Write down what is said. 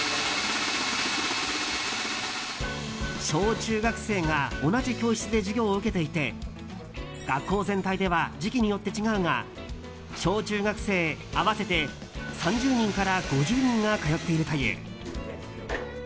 小中学生が同じ教室で授業を受けていて学校全体では時期によって違うが小中学生合わせて３０人から５０人が通っているという。